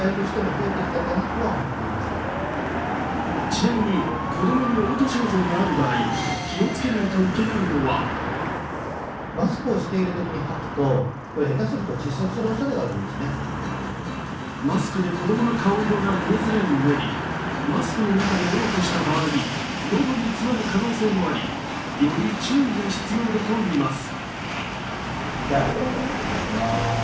ちなみに、子供におう吐症状がある場合、気をつけないといけないのはマスクで子供の顔色が見えづらいうえにマスクの中でおう吐した場合喉に詰まる可能性もあり、より注意が必要だといいます。